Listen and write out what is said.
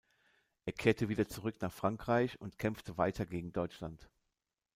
Er kehrte wieder zurück nach Frankreich und kämpfte weiter gegen Deutschland.